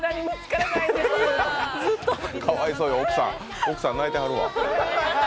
かわいそうに、奥さん泣いてはるわ。